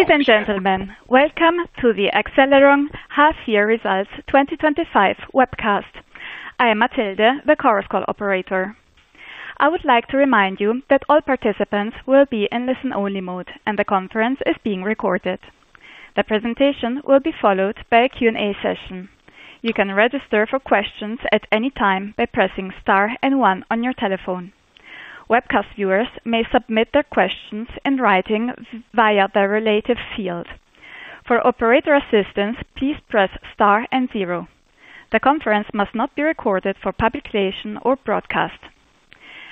Ladies and gentlemen, welcome to the Accelleron Half Year Results 2025 Webcast. I am Mathilde, the Chorus Call operator. I would like to remind you that all participants will be in listen only mode and the conference is being recorded. The presentation will be followed by a Q and A session. You can register for questions at any time by pressing star and one on your telephone. Webcast viewers may submit their questions in writing via the relative field. For operator assistance, please press star and zero. The conference must not be recorded for publication or broadcast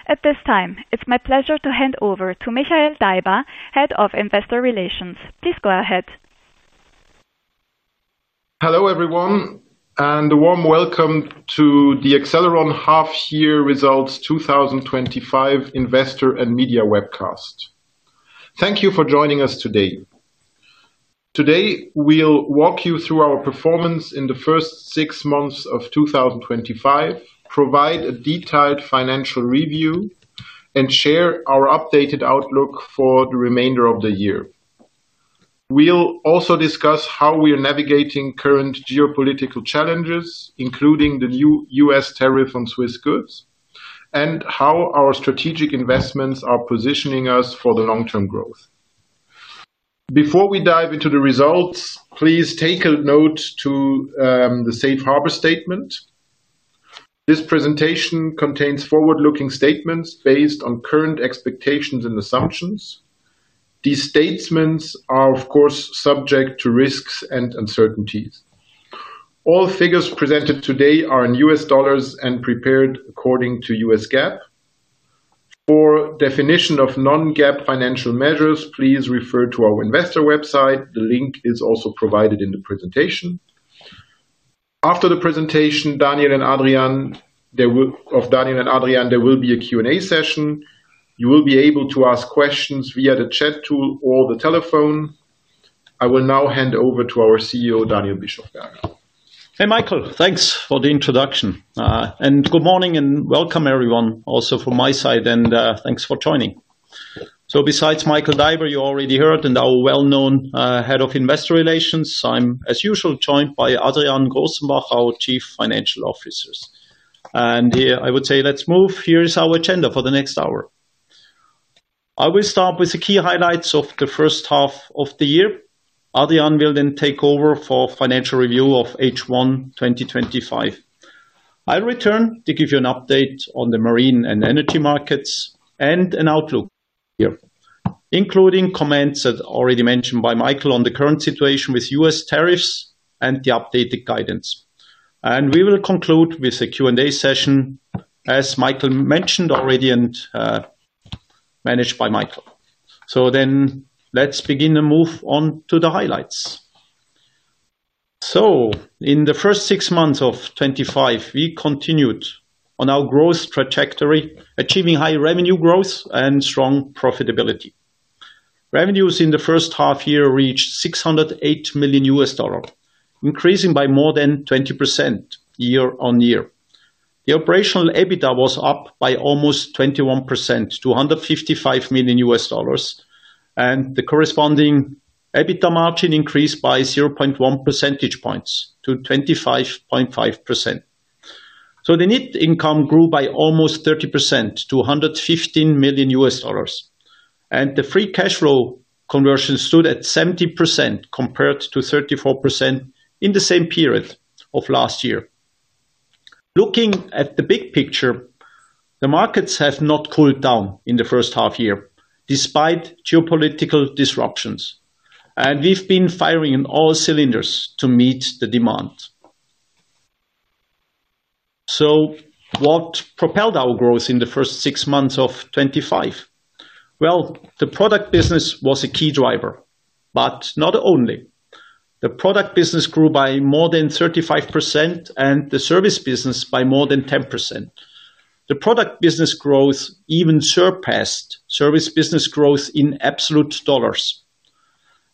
at this time. It's my pleasure to hand over to Michael Daiber, Head of Investor Relations. Please go ahead. Hello everyone and a warm welcome to the Accelleron Half Year Results 2025 Investor and Media Webcast. Thank you for joining us today. Today we'll walk you through our performance in the first six months of 2025, provide a detailed financial review, and share our updated outlook for the remainder of the year. We'll also discuss how we are navigating current geopolitical challenges, including the new U.S. tariff on Swiss goods, and how our strategic investments are positioning us for the long-term growth. Before we dive into the results, please take a note to the Safe Harbor Statement. This presentation contains forward-looking statements based on current expectations and assumptions. These statements are of course subject to risks and uncertainties. All figures presented today are in U.S. Dollars and prepared according to U.S. GAAP. For definition of non-GAAP financial measures, please refer to our investor website. The link is also provided in the presentation. After the presentation, Daniel and Adrian, there will be a Q and A session. You will be able to ask questions via the chat tool or the telephone. I will now hand over to our CEO Daniel Bischofberger. Hey Michael, thanks for the introduction and good morning and welcome everyone. Also from my side and thanks for joining. Besides Michael Daiber, you already heard and our well known Head of Investor Relations, I'm as usual joined by Adrian Grossenbacher, our Chief Financial Officer. I would say let's move. Here is our agenda for the next hour. I will start with the key highlights of the first half of the year. Adrian will then take over for financial review of H1 2025. I'll return to give you an update on the marine and energy markets and an outlook here including comments as already mentioned by Michael on the current situation with U.S. tariffs and the updated guidance. We will conclude with a Q and A session as Michael mentioned already and managed by Michael. Let's begin to move on to the highlights. In the first six months of 2025 we continued on our growth trajectory, achieving high revenue growth and strong profitability. Revenues in the first half year reached $608 million, increasing by more than 20% year on year. The operational EBITDA was up by almost 21%, $155 million, and the corresponding EBITDA margin increased by 0.1 percentage points to 25.5%. The net income grew by almost 30% to $115 million and the free cash flow conversion stood at 70% compared to 34% in the same period of last year. Looking at the big picture, the markets have not cooled down in the first half year despite geopolitical disruptions, and we've been firing in all cylinders to meet the demand. What propelled our growth in the first six months of 2025? The product business was a key driver, but not only. The product business grew by more than 35% and the service business by more than 10%. The product business growth even surpassed service business growth in absolute dollars.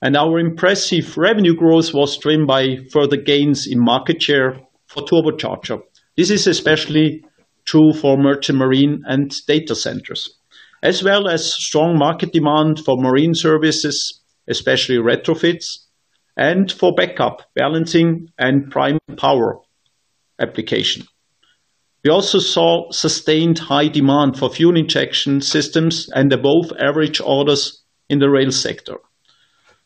Our impressive revenue growth was driven by further gains in market share for turbochargers. This is especially true for merchant marine and data centers, as well as strong market demand for marine services, especially retrofits and for backup balancing and prime power applications. We also saw sustained high demand for fuel injection systems and above average orders in the rail sector.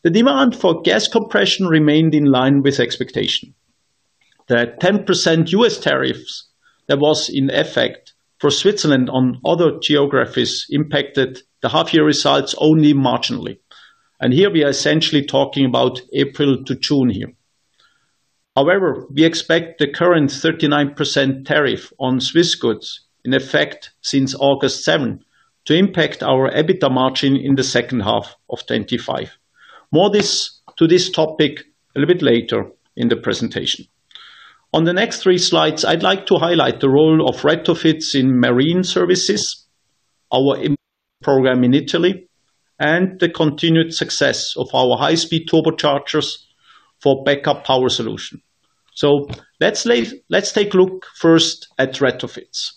The demand for gas compression remained in line with expectation. The 10% U.S. tariffs that was in effect for Switzerland on other geographies impacted the half year results only marginally, and here we are essentially talking about April to June here. However, we expect the current 39% tariff on Swiss goods in effect since August 7th to impact our EBITDA margin in the second half of 2025. More to this topic a little bit later in the presentation. On the next three slides, I'd like to highlight the role of retrofits in marine services, our program in Italy, and the continued success of our high speed turbochargers for backup power solution. Let's take a look first at retrofits.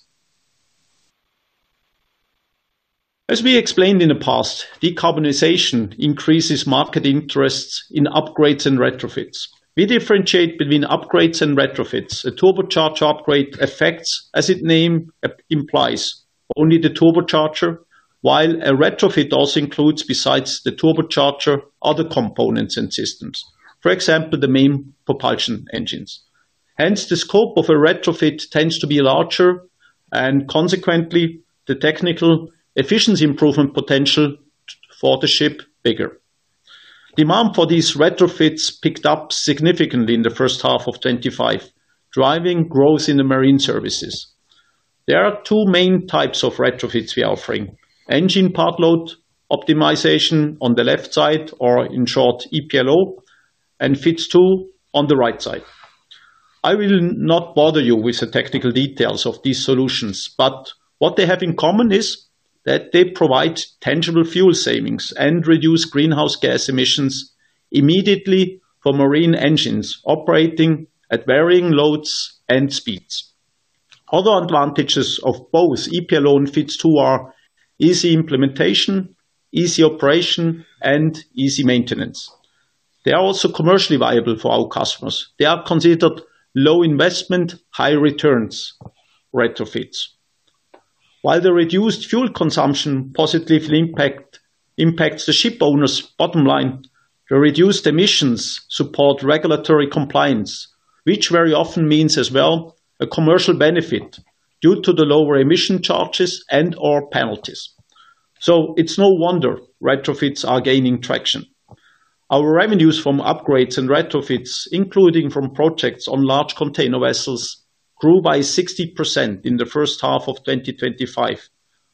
As we explained in the past, decarbonization increases market interests in upgrades and retrofits. We differentiate between upgrades and retrofits. A turbocharger upgrade affects, as its name implies, only the turbocharger, while a retrofit also includes, besides the turbocharger, other components and systems, for example, the main propulsion engines. Hence, the scope of a retrofit tends to be larger and consequently the technical efficiency improvement potential for the ship bigger. Demand for these retrofits picked up significantly in the first half of 2025, driving growth in the marine services. There are two main types of retrofits we are offering: engine part load optimization on the left side, or in short, EPLO, and FiTS2 on the right side. I will not bother you with the technical details of these solutions, but what they have in common is that they provide tangible fuel savings and reduce greenhouse gas emissions immediately for marine engines operating at varying loads and speeds. Other advantages of both EPLO and FiTS2 are easy implementation, easy operation, and easy maintenance. They are also commercially viable for our customers. They are considered low investment, high returns retrofits. While the reduced fuel consumption positively impacts the ship owners' bottom line, the reduced emissions support regulatory compliance, which very often means as well a commercial benefit due to the lower emission charges and/or penalties. It's no wonder retrofits are gaining traction. Our revenues from upgrades and retrofits, including from projects on large container vessels, grew by 60% in the first half of 2025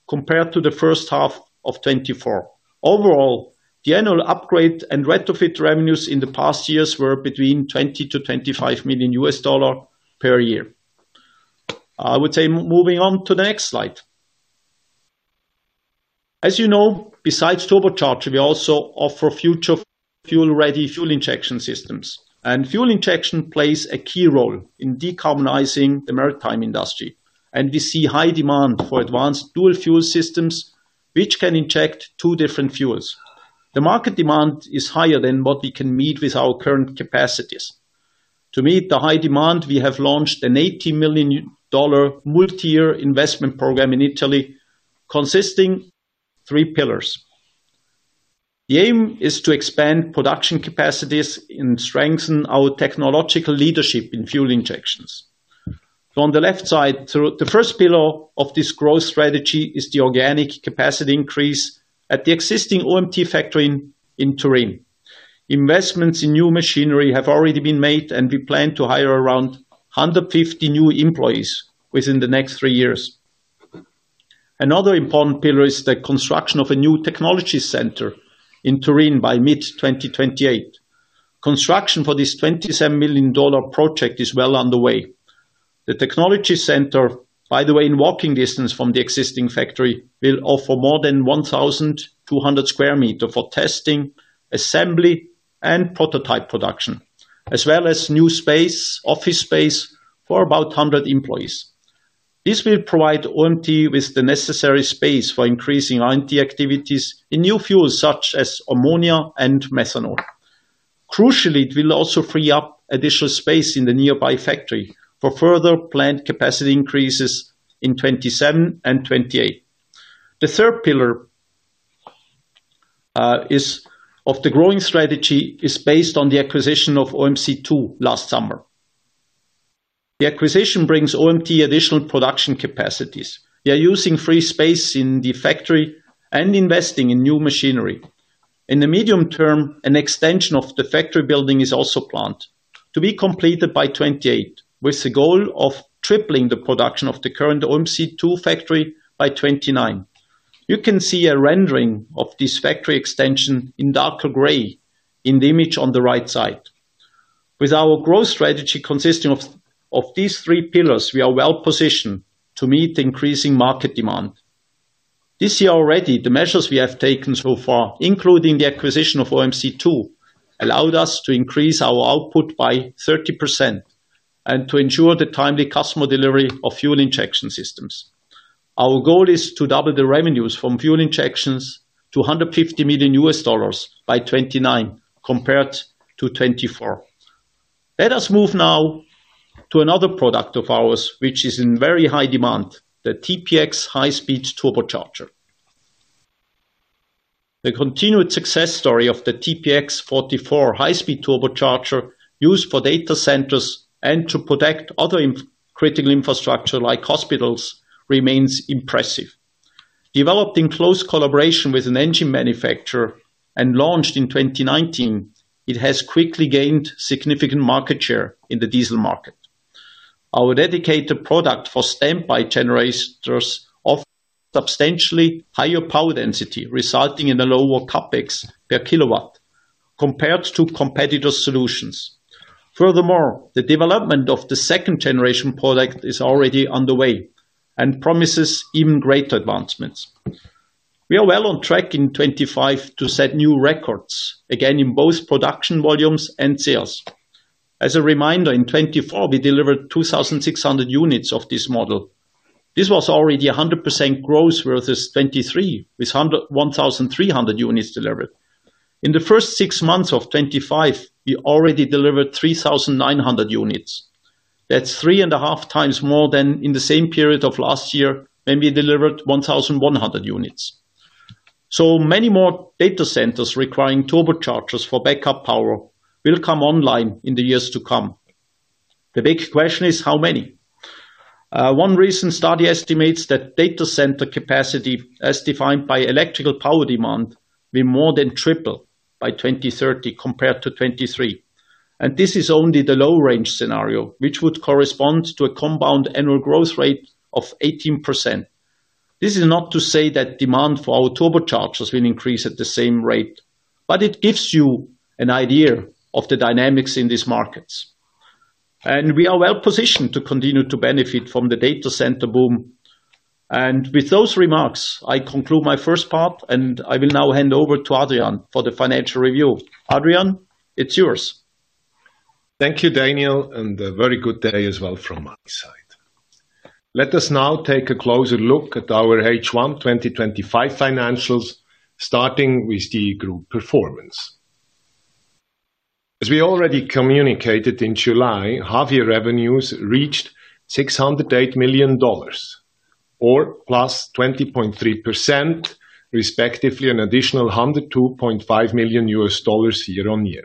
compared to the first half of 2024. Overall, the annual upgrade and retrofit revenues in the past years were between $20 million-$25 million per year. Moving on to the next slide. As you know, besides turbochargers, we also offer future fuel ready fuel injection systems, and fuel injection plays a key role in decarbonizing the maritime industry, and we see high demand for advanced dual fuel systems which can inject two different fuels. The market demand is higher than what we can meet with our current capacities. To meet the high demand, we have launched an $80 million multi-year investment program in Italy consisting of three pillars. The aim is to expand production capacities and strengthen our technological leadership in fuel injection systems on the left side. The first pillar of this growth strategy is the organic capacity increase at the existing OMT factory in Turin. Investments in new machinery have already been made, and we plan to hire around 150 new employees within the next three years. Another important pillar is the construction of a new technology center in Turin by mid-2028. Construction for this $27 million project is well underway. The technology center, by the way, in walking distance from the existing factory, will offer more than 1,200 sq m for testing, assembly, and prototype production, as well as new office space for about 100 employees. This will provide OMT with the necessary space for increasing IT activities in new fuels such as ammonia and methanol. Crucially, it will also free up additional space in the nearby factory for further plant capacity increases in 2027 and 2028. The third pillar of the growth strategy is based on the acquisition of OMC2 last summer. The acquisition brings OMT additional production capacities. We are using free space in the factory and investing in new machinery in the medium term. An extension of the factory building is also planned to be completed by 2028, with the goal of tripling the production of the current OMC2 factory by 2029. You can see a rendering of this factory extension in darker gray in the image on the right side. With our growth strategy consisting of these three pillars, we are well positioned to meet increasing market demand this year. Already, the measures we have taken so far, including the acquisition of OMC2, allowed us to increase our output by 30% and to ensure the timely customer delivery of fuel injection systems. Our goal is to double the revenues from fuel injection systems to $150 million by 2029 compared to 2024. Let us move now to another product of ours which is in very high demand, the TPX high-speed turbocharger. The continued success story of the TPX44 high-speed turbocharger, used for data centers and to protect other critical infrastructure like hospitals, remains impressive. Developed in close collaboration with an engine manufacturer and launched in 2019, it has quickly gained significant market share in the diesel market. Our dedicated product for standby generators offers substantially higher power density, resulting in a lower CapEx per kilowatt compared to competitor solutions. Furthermore, the development of the second generation product is already underway and promises even greater advancements. We are well on track in 2025 to set new records again in both production volumes and sales. As a reminder, in 2024 we delivered 2,600 units of this model. This was already 100% growth versus 2023 with 1,300 units delivered. In the first six months of 2025 we already delivered 3,900 units. That's 3.5x more than in the same period of last year when we delivered 1,100 units. Many more data centers requiring turbochargers for backup power will come online in the years to come. The big question is how many? One recent study estimates that data center capacity as defined by electrical power demand will more than triple by 2030 compared to 2023. This is only the low range scenario, which would correspond to a compound annual growth rate of 18%. This is not to say that demand for our turbochargers will increase at the same rate, but it gives you an idea of the dynamics in these markets and we are well positioned to continue to benefit from the data center boom. With those remarks I conclude my first part and I will now hand over to Adrian for the financial review. Adrian, it's yours. Thank you Daniel, and a very good day as well from my side. Let us now take a closer look at our H1 2025 financials starting with the group performance. As we already communicated in July, our revenues reached $608 million or +20.3% respectively, an additional $102.5 million year on year.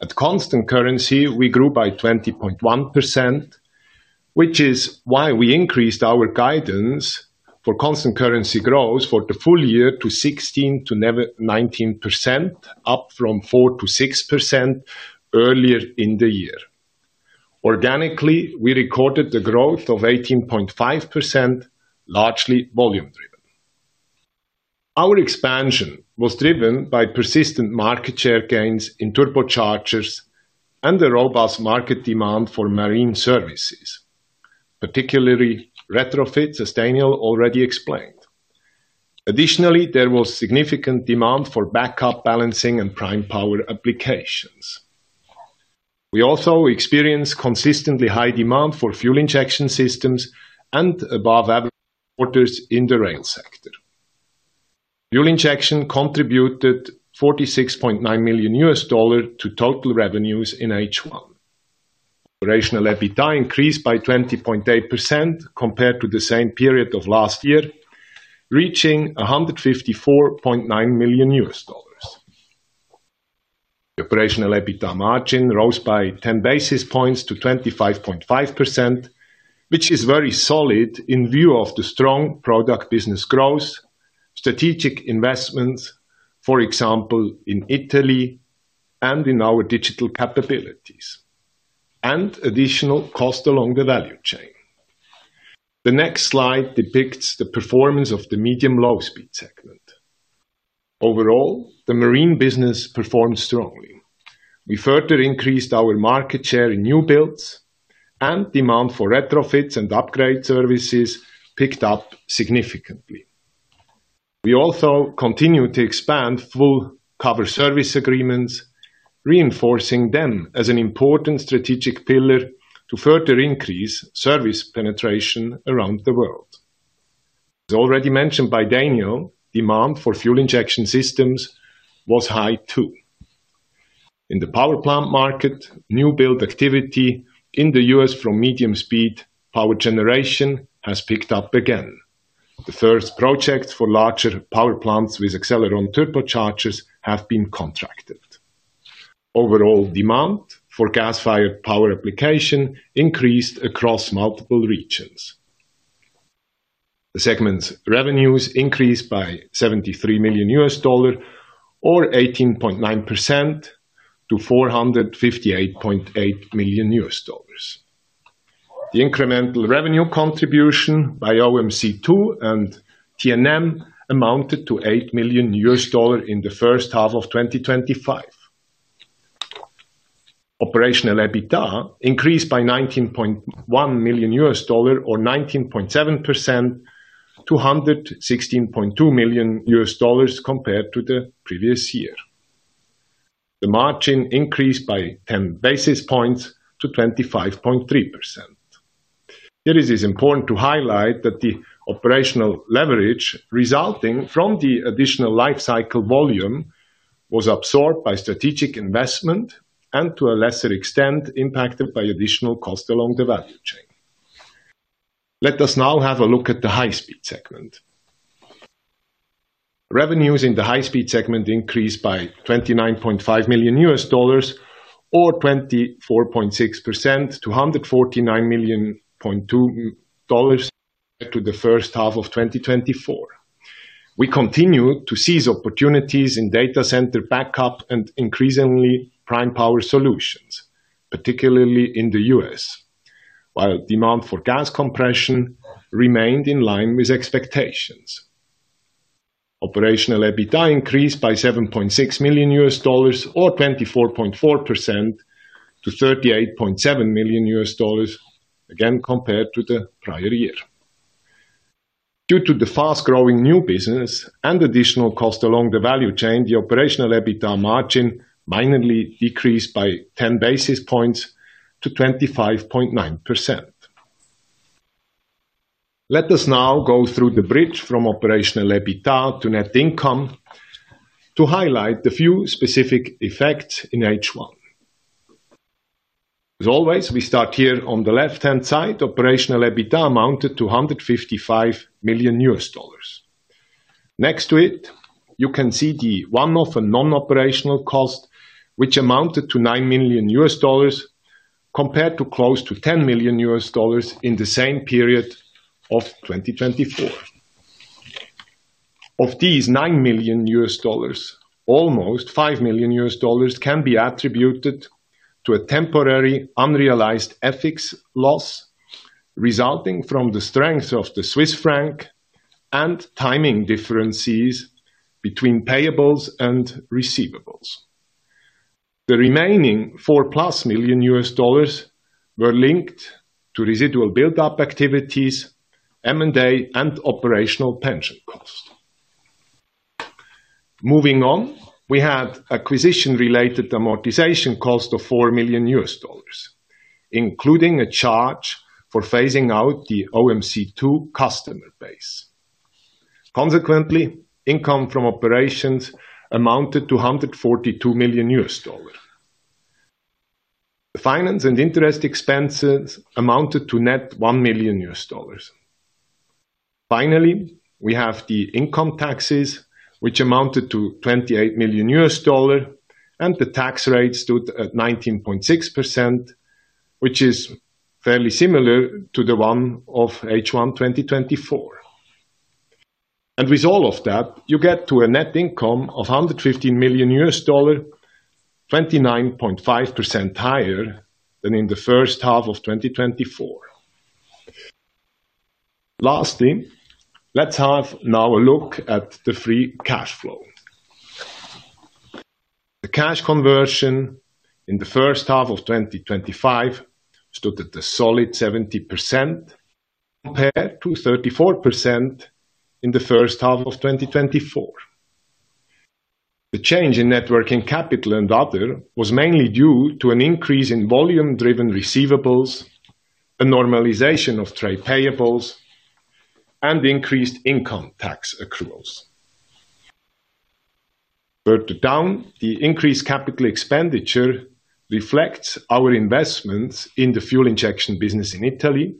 At constant currency we grew by 20.1%, which is why we increased our guidance for constant currency growth for the full year to 16%-19%, up from 4%-6% earlier in the year. Organically, we recorded the growth of 18.5%, largely volume driven. Our expansion was driven by persistent market share gains in turbochargers and the robust market demand for marine services, particularly retrofit, as Daniel already explained. Additionally, there was significant demand for backup, balancing, and prime power applications. We also experienced consistently high demand for fuel injection systems and above average orders. In the rail sector, fuel injection contributed $46.9 million to total revenues in H1. Operational EBITDA increased by 20.8% compared to the same period of last year, reaching $154.9 million. The operational EBITDA margin rose by 10 basis points to 25.5%, which is very solid in view of the strong product business growth, strategic investments for example in Italy and in our digital capabilities, and additional cost along the value chain. The next slide depicts the performance of the medium low speeds segment. Overall, the marine business performed strongly. We further increased our market share in new builds, and demand for retrofits and upgrade services picked up significantly. We also continue to expand full cover service agreements, reinforcing them as an important strategic pillar to further increase service penetration around the world. As already mentioned by Daniel, demand for fuel injection systems was high too in the power plant market. New build activity in the U.S. from medium speed power generation has picked up again. The first projects for larger power plants with Accelleron turbochargers have been contracted. Overall demand for gas fired power application is increased across multiple regions. The segment's revenues increased by $73 million or 18.9% to $458.8 million. The incremental revenue contribution by OMC2 and TNM amounted to $8 million in the first half of 2025. Operational EBITDA increased by $19.1 million or 19.7% to $116.2 million compared to the previous year. The margin increased by 10 basis points to 25.3%. Here it is important to highlight that the operational leverage resulting from the additional life cycle volume was absorbed by strategic investment and to a lesser extent impacted by additional cost along the value chain. Let us now have a look at the high speed segment. Revenues in the high speed segment increased by $29.5 million or 24.6% to $149 million compared to the first half of 2024. We continue to seize opportunities in data center backup and increasingly prime power solutions, particularly in the U.S. while demand for gas compression remained in line with expectations. Operational EBITDA increased by $7.6 million or 24.4% to $38.7 million again compared to the prior year. Due to the fast growing new business and additional cost along the value chain, the operational EBITDA margin minorly decreased by 10 basis points to 25.9%. Let us now go through the bridge from operational EBITDA to net income to highlight the few specific effects in H1. As always, we start here on the left hand side. Operational EBITDA amounted to $155 million. Next to it you can see the one off non-operational cost which amounted to $9 million compared to close to $10 million in the same period of 2024. Of these $9 million, almost $5 million can be attributed to a temporary unrealized FX loss resulting from the strength of the Swiss franc and timing differences between payables and receivables. The remaining $4+ million linked to residual build up activities, M&A, and operational pension cost. Moving on, we had acquisition related amortization cost of $4 million including a charge for phasing out the OMC2 customer base. Consequently, income from operations amounted to $142 million. The finance and interest expenses amounted to net $1 million. Finally, we have the income taxes which amounted to $28 million and the tax rate stood at 19.6% which is fairly similar to the one of H1 2024. With all of that you get to a net income of $115 million, 29.5% higher than in the first half of 2024. Lastly, let's have now a look at the free cash flow. The cash conversion in the first half of 2025 stood at a solid 70% compared to 34% in the first half of 2024. The change in net working capital and other was mainly due to an increase in volume driven receivables, a normalization of trade payables, and the increased income tax accruals. Further down, the increased capital expenditure reflects our investments in the fuel injection business in Italy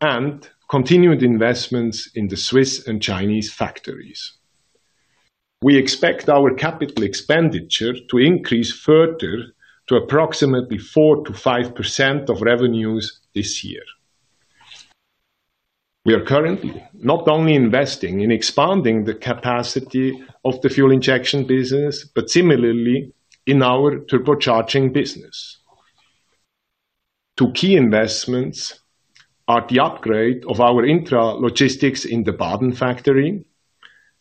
and continued investments in the Swiss and Chinese factories. We expect our capital expenditure to increase further to approximately 4%-5% of revenues this year. We are currently not only investing in expanding the capacity of the fuel injection business, but similarly in our turbocharging business. Two key investments are the upgrade of our intralogistics in the Baden factory,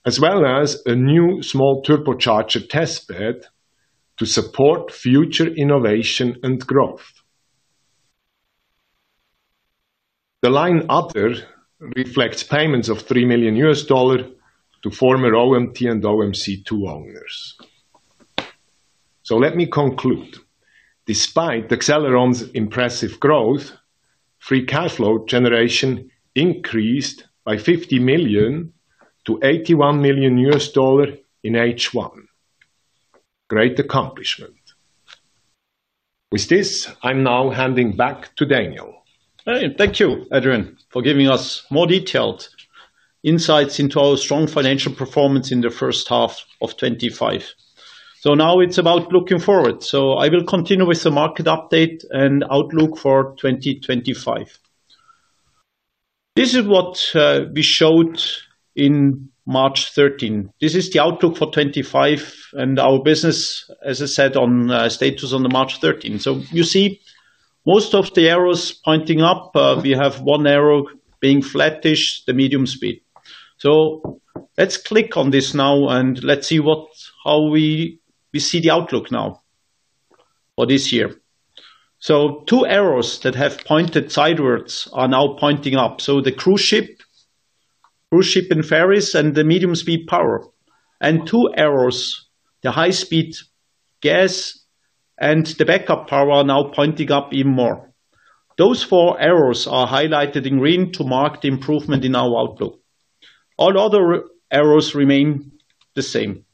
as well as a new small turbocharger test bed to support future innovation and growth. The line above reflects payments of $3 million to former OMT and OMC2 owners. Let me conclude, despite Accelleron's impressive growth, free cash flow generation increased by $50 million to $81 million in H1, a great accomplishment. With this, I'm now handing back to Daniel. Thank you, Adrian, for giving us more detailed insights into our strong financial performance in the first half of 2025. Now it's about looking forward. I will continue with the market update and outlook for 2025. This is what we showed on March 13. This is the outlook for 2025 and our business. As I said on status on March 13, you see most of the arrows pointing up. We have one arrow being flattish, the medium speed. Let's click on this now and see how we see the outlook now for this year. Two arrows that have pointed sidewards are now pointing up. The cruise ship, cruise ship and ferries, and the medium speed power, and two arrows, the high speed gas and the backup power, are now pointing up even more. Those four arrows are highlighted in green to mark the improvement in our outlook. All other arrows remain the same.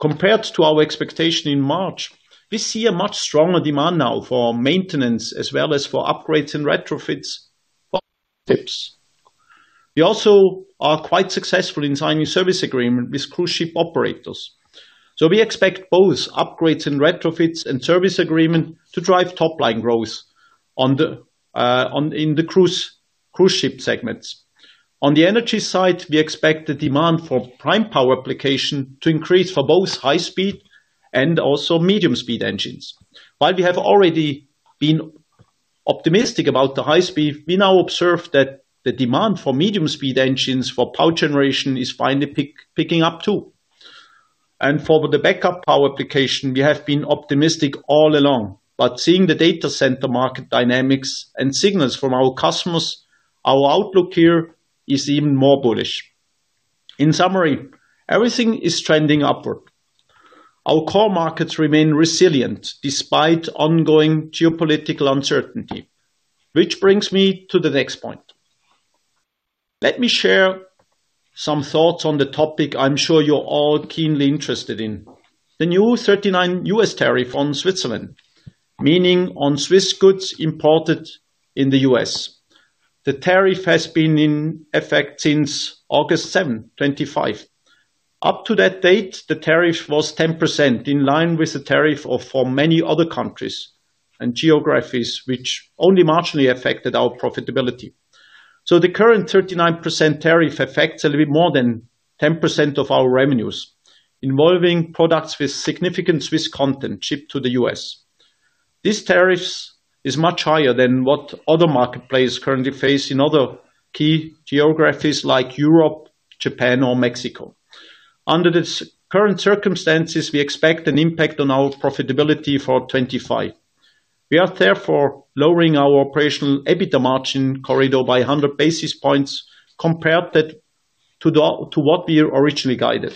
Compared to our expectation in March, we see a much stronger demand now for maintenance as well as for upgrades and retrofits. We also are quite successful in signing service agreements with cruise ship operators. We expect both upgrades in retrofits and service agreements to drive top line growth in the cruise ship segments. On the energy side, we expect the demand for prime power applications to increase for both high speed and also medium speed engines. While we have already been optimistic about the high speed, we now observe that the demand for medium speed engines for power generation is finally picking up too. For the backup power application, we have been optimistic all along. Seeing the data center market dynamics and signals from our customers, our outlook here is even more bullish. In summary, everything is trending upward. Our core markets remain resilient despite ongoing geopolitical uncertainty. This brings me to the next point. Let me share some thoughts on the topic. I'm sure you're all keenly interested in the new 39% U.S. tariff on Switzerland, meaning on Swiss goods imported in the U.S. The tariff has been in effect since August 7, 2025. Up to that date, the tariff was 10% in line with the tariff for many other countries and geographies, which only marginally affected our profitability. The current 39% tariff affects a little bit more than 10% of our revenues involving products with significant Swiss content shipped to the U.S. This tariff is much higher than what other marketplaces currently face in other key geographies like Europe, Japan, or Mexico. Under the current circumstances, we expect an impact on our profitability for 2025. We are therefore lowering our operational EBITDA margin corridor by 100 basis points compared to what we originally guided.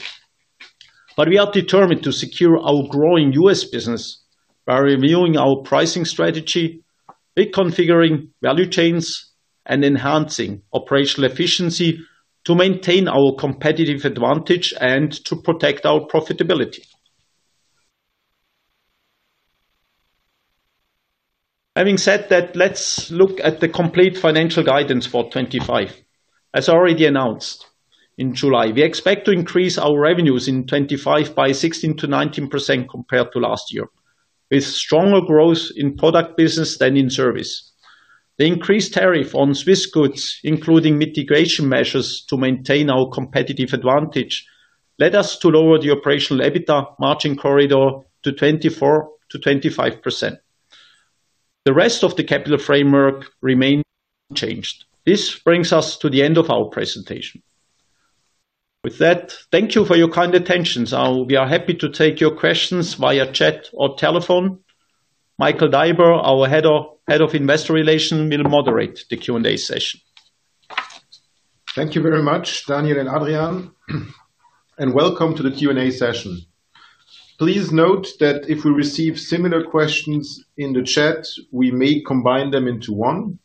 We are determined to secure our growing U.S. business by reviewing our pricing strategy, reconfiguring value chains, and enhancing operational efficiency to maintain our competitive advantage and to protect our profitability. Having said that, let's look at the complete financial guidance for 2025. As already announced in July, we expect to increase our revenues in 2025 by 16%-19% compared to last year, with stronger growth in product business than in service. The increased tariff on Swiss goods, including mitigation measures to maintain our competitive advantage, led us to lower the operational EBITDA margin corridor to 24%-25%. The rest of the capital framework remains unchanged. This brings us to the end of our presentation. With that, thank you for your kind attention. We are happy to take your questions via chat or telephone. Michael Daiber, our Head of Investor Relations, will moderate the Q and A session. Thank you very much, Daniel and Adrian, and welcome to the Q and A session. Please note that if we receive similar questions in the chat, we may combine them into one.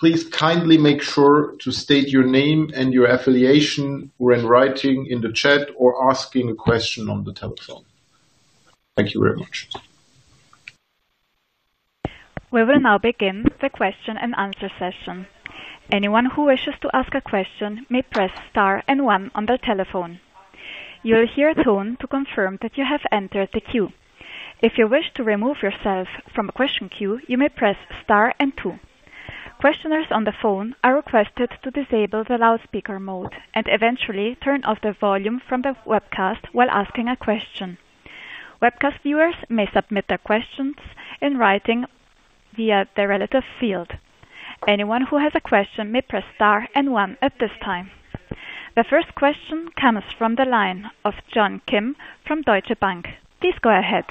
Please kindly make sure to state your name and your affiliation when writing in the chat or asking a question on the telephone. Thank you very much. We will now begin the question and answer session. Anyone who wishes to ask a question may press star and one on their telephone. You will hear a tone to confirm that you have entered the queue. If you wish to remove yourself from the question queue, you may press star and two. Questioners on the phone are requested to disable the loudspeaker mode and eventually turn off the volume from the webcast while asking a question. Webcast viewers may submit their questions in writing via the relevant field. Anyone who has a question may press star and one at this time. The first question comes from the line of John Kim from Deutsche Bank, please go ahead.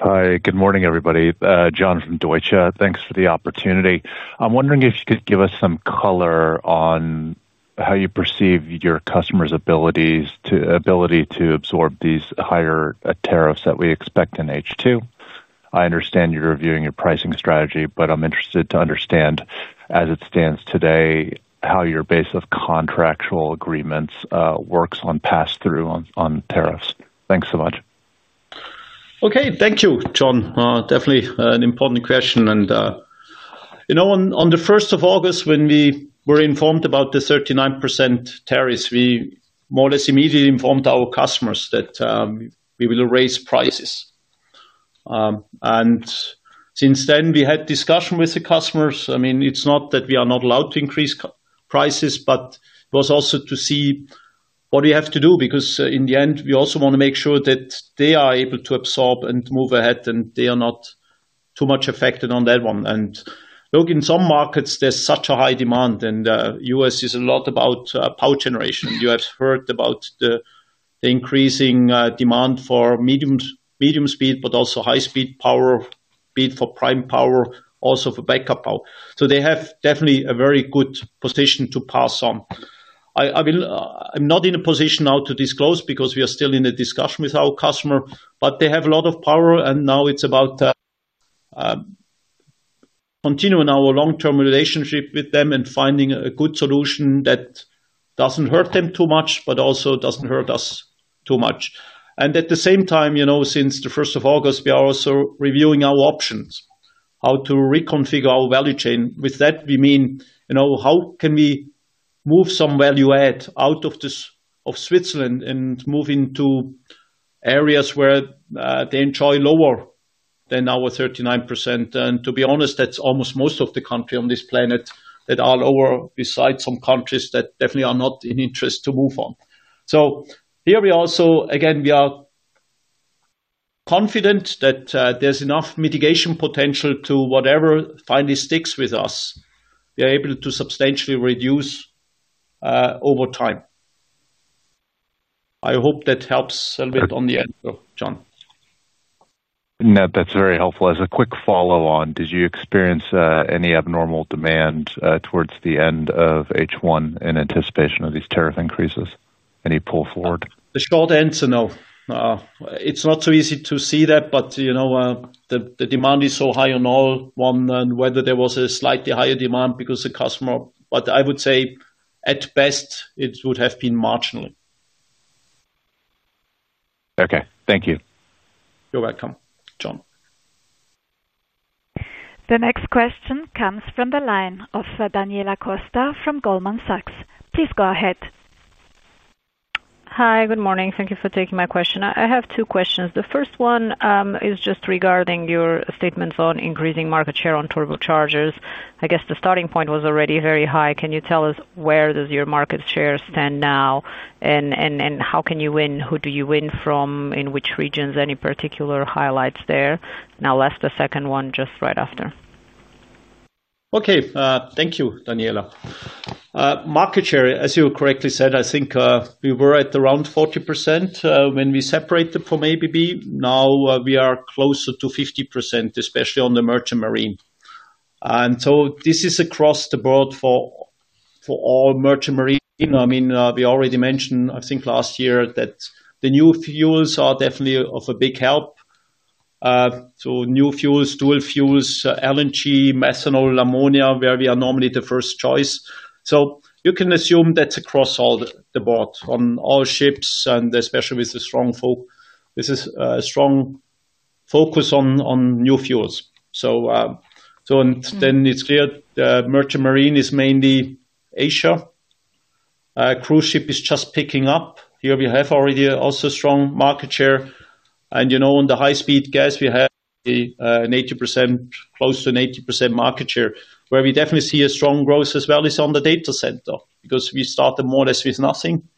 Hi, good morning everybody. John from Deutsche, thanks for the opportunity. I'm wondering if you could give us some color on how you perceive your customers' ability to absorb these higher tariffs that we expect in H2. I understand you're reviewing your pricing strategy, but I'm interested to understand as it stands today how your base of contractual agreements works on pass through on tariffs. Thanks so much. Okay, thank you John. Definitely an important question. On the 1st of August when we were informed about the 39% tariffs, we more or less immediately informed our customers that we will raise prices. Since then we had discussion with the customers. I mean it's not that we are not allowed to increase prices, but it was also to see what do you have to do. Because in the end we also want to make sure that they are able to absorb and move ahead and they are not too much affected on that one. In some markets there's such a high demand and U.S. is a lot about power generation. You have heard about the increasing demand for medium speed but also high speed power speed for prime power, also for backup power. They have definitely a very good position to pass on. I'm not in a position now to disclose because we are still in a discussion with our customer but they have a lot of power and now it's about continuing our long term relationship with them and finding a good solution that doesn't hurt them too much but also doesn't hurt us too much. At the same time, since the 1st of August we are also reviewing our options how to reconfigure our value chain. With that we mean, you know, how can we move some value add out of Switzerland and move into areas where they enjoy lower than our 39%. To be honest that's almost most of the country on this planet that are lower, besides some countries that definitely are not in interest to move on. Here we also again we are confident that there's enough mitigation potential to whatever finally sticks with us we are able to substantially reduce over time. I hope that helps a little bit on the answer John. That's very helpful. As a quick follow-on, did you experience any abnormal demand towards the end of H1 in anticipation of these tariff increases? Any pull forward? The short answer, no, it's not so easy to see that. The demand is so high on all one and whether there was a slightly higher demand because the customer. I would say at best it would have been marginally. Okay, thank you. You're welcome, John. The next question comes from the line of Daniela Costa from Goldman Sachs. Please go ahead. Hi, good morning. Thank you for taking my question. I have two questions. The first one is just regarding your statements on increasing market share on turbochargers. I guess the starting point was already very high. Can you tell us where does your market share stand now, and how can you win? Who do you win from? In which regions? Any particular highlights there? Now that's the second one just right after. Okay, thank you. Daniela. Market share as you correctly said, I think we were at around 40% when we separated from ABB. Now we are closer to 50%, especially on the merchant marine. This is across the board for all merchant marine. I mean, we already mentioned, I think last year that the new fuels are definitely of a big help. New fuels, dual fuels, LNG, methanol, ammonia, where we are normally the first choice. You can assume that's across all the board on all ships, especially with this strong focus on new fuels. It is clear merchant marine is mainly Asia. Cruise ship is just picking up here. We have already also strong market share and, you know, on the high speed gas we have an 80%, close to an 80% market share. Where we definitely see a strong growth as well is on the data center because we started more or less with nothing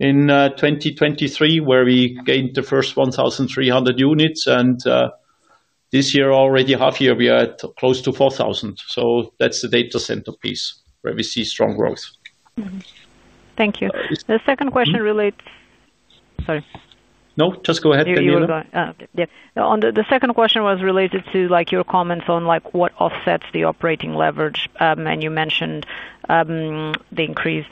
in 2023 where we gained the first 1,300 units and this year already half year we are at close to 4,000. That's the data center piece where we see strong growth. Thank you. The second question relates. Sorry. No, just go ahead. The second question was related to your comments on what offsets the operating leverage, and you mentioned the increased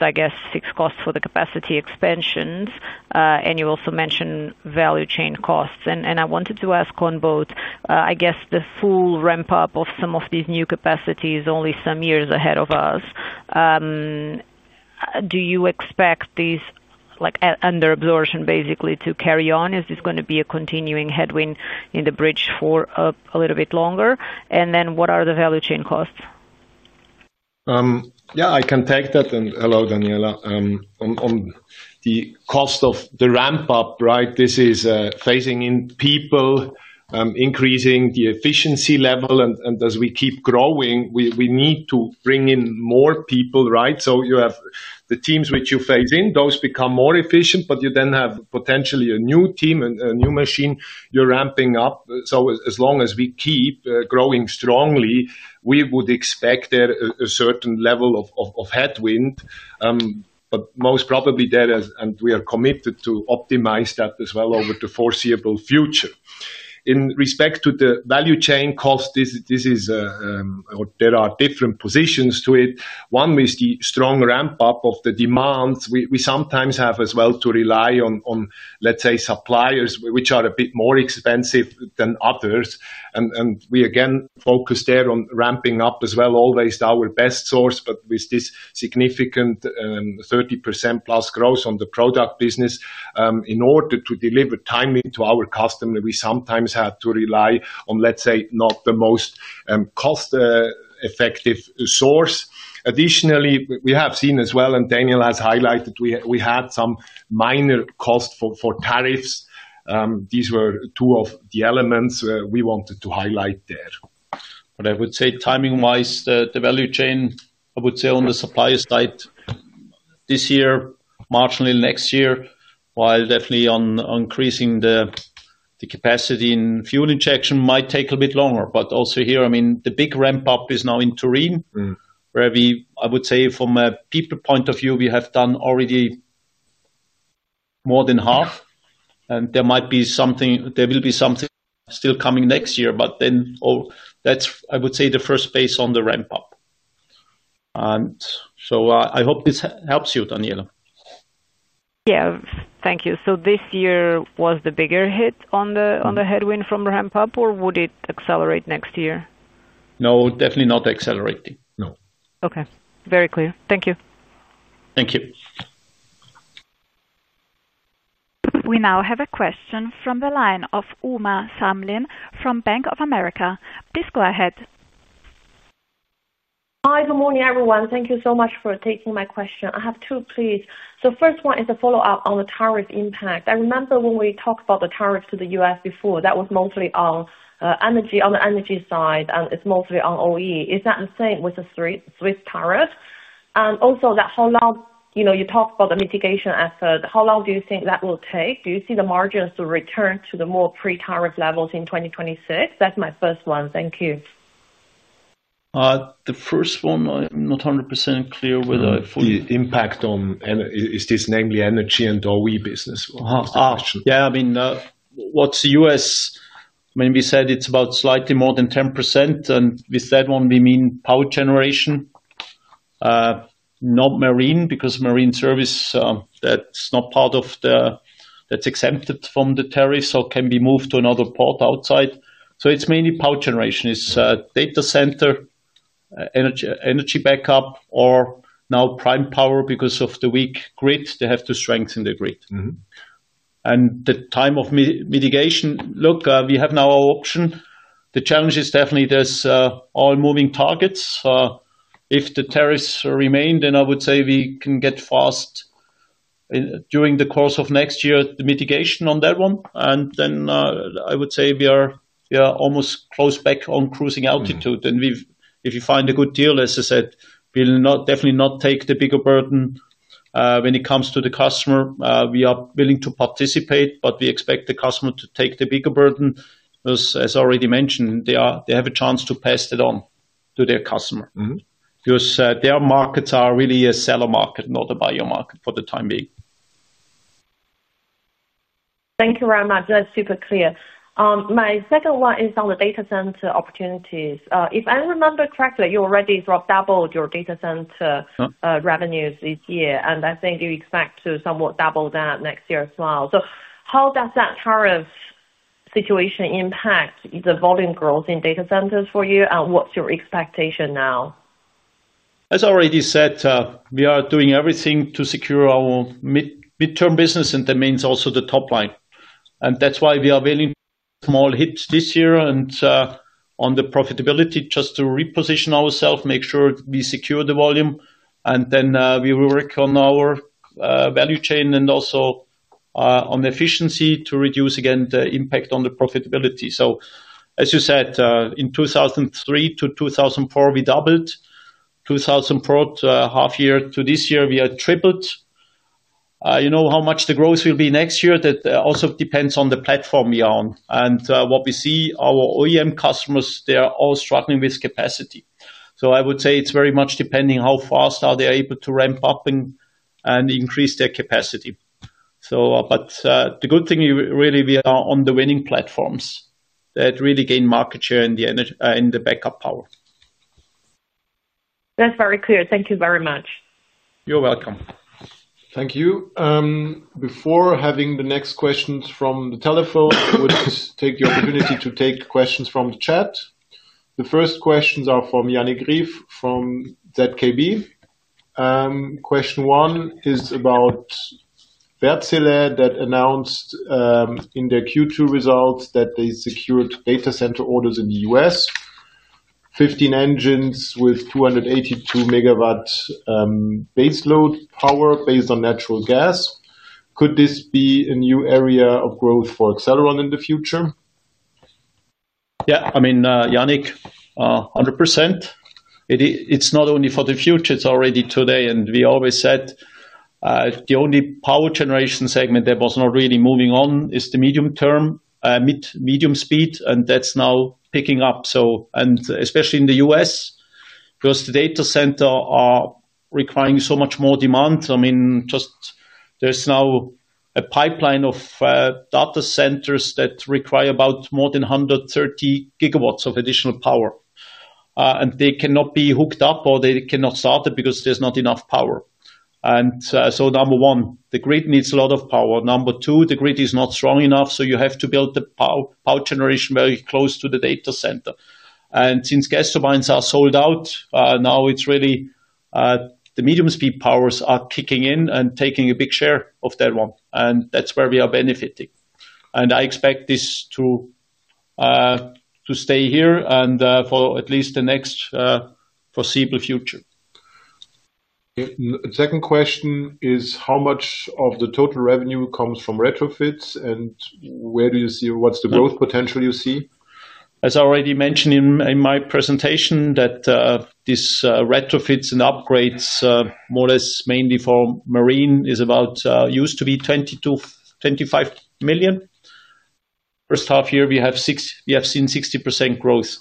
fixed cost for the capacity expansions. You also mentioned value chain costs, and I wanted to ask on both. I guess the full ramp up of some of these new capacities is only some years ahead of us. Do you expect this under absorption basically to carry on? Is this going to be a continuing headwind in the bridge for a little bit longer, and then what are the value chain costs? Yeah, I can take that. Hello Daniela, on the cost of the ramp up, right. This is phasing in people, increasing the efficiency level, and as we keep growing, we need to bring in more people. You have the teams which you phase in, those become more efficient, but you then have potentially a new team and a new machine. You're ramping up. As long as we keep growing strongly, we would expect a certain level of headwind. Most probably that is, and we are committed to optimize that as well over the foreseeable future. In respect to the value chain cost, there are different positions to it. One is the strong ramp up of the demand. We sometimes have as well to rely on, let's say, suppliers which are a bit more expensive than others. We again focus there on ramping up as well, always our best source. With this significant 30%+ growth on the product business, in order to deliver timely to our customer, we sometimes had to rely on, let's say, not the most cost effective source. Additionally, we have seen as well, and Daniel has highlighted, we had some minor cost for tariffs. These were two of the elements we wanted to highlight there. I would say timing wise, the value chain, I would say on the supply side this year, marginally next year, while definitely increasing the capacity in fuel injection might take a bit longer. Also here the big ramp up is now in Turin where we, I would say from a deeper point of view, we have done already more than half and there might be something, there will be something still coming next year. That's, I would say the first base on the ramp up. I hope this helps you, Daniela. Thank you. This year was the bigger hit on the headwind from ramp up, or would it accelerate next year? No, definitely not accelerating. No. Okay, very clear. Thank you. Thank you. We now have a question from the line of Uma Samlin from Bank of America. Please go ahead. Hi, good morning everyone. Thank you so much for taking my question. I have two, please. The first one is a follow up on the tariff impact. I remember when we talked about the tariffs to the U.S. before that was mostly on the energy side and it's mostly on OE. Is that the same with the Swiss tariff? Also, how long, you know, you talked about the mitigation effort. How long do you think that will take? Do you see the margins to return to the more pre-tariff levels in 2026? That's my first one. Thank you. The first one, I'm not 100% clear. Whether the impact on is this, namely energy and OE business. Yeah, I mean what's the U.S. maybe said it's about slightly more than 10% and with that one we mean power generation, not marine because marine service, that's not part of the, that's exempted from the tariffs or can be moved to another port outside. It's mainly power generation, it's data center energy, energy backup or now prime power because of the weak grid. They have to strengthen the grid and the time of mitigation. Look, we have now our option. The challenge is definitely there's all moving targets. If the tariffs remain, then I would say we can get fast during the course of next year the mitigation on that one. I would say we are almost close back on cruising altitude and if you find a good deal, as I said, we will definitely not take the bigger burden when it comes to the customer. We are willing to participate, but we expect the customer to take the bigger burden. As already mentioned, they have a chance to pass it on to their customer because their markets are really a seller market, not a buyer market for the time being. Thank you very much. That's super clear. My second one is on the data center opportunities. If I remember correctly, you already doubled your data center revenues this year and I think you expect to somewhat double that next year as well. How does that tariff situation impact the volume growth in data centers for you, and what's your expectation now? As I already said, we are doing everything to secure our mid term business and that means also the top line. That's why we are waiting small hits this year on the profitability just to reposition ourselves, make sure we secure the volume, and then we will work on our value chain and also on efficiency to reduce again the impact on the profitability. As you said, in 2003-2004 we doubled, 2004 to half year to this year we had tripled. You know how much the growth will be next year. That also depends on the platform we are on and what we see. Our OEM customers, they are all struggling with capacity. I would say it's very much depending how fast are they able to ramp up and increase their capacity. The good thing really is we are on the winning platforms that really gain market share in the backup power. That's very clear. Thank you very much. You're welcome. Thank you. Before having the next questions from the telephone, we would take the opportunity to take questions from the chat. The first questions are from Yannik Ryf from ZKB. Question one is about Wärtsilä that announced in their Q2 results that they secured data center orders in the U.S. 15 engines with 282 MW baseload power based on natural gas. Could this be a new area of growth for Accelleron in the future? Yeah, I mean, Yannik, 100%. It's not only for the future, it's already today. We always said the only power generation segment that was not really moving on is the medium term, mid medium speed. That's now picking up, especially in the U.S. because the data center are requiring so much more demand. I mean, just there's now a pipeline of data centers that require about more than 130 GW of additional power, and they cannot be hooked up or they cannot solve it because there's not enough power. Number one, the grid needs a lot of power. Number two, the grid is not strong enough. You have to build the power generation very close to the data center. Since gas turbines are sold out now, it's really the medium speed powers are kicking in and taking a big share of that one. That's where we are benefiting. I expect this to stay here for at least the next foreseeable future. Second question is how much of the total revenue comes from retrofits and where do you see what's the growth potential? You see as I already mentioned in my presentation that these retrofits and upgrades, more or less mainly for marine, used to be $20 million-$25 million. First half year we have seen 60% growth.